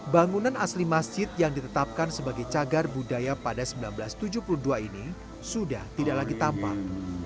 bangunan asli masjid yang ditetapkan sebagai cagar budaya pada seribu sembilan ratus tujuh puluh dua ini sudah tidak lagi tampak